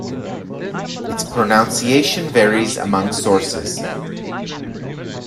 Its pronunciation varies among sources.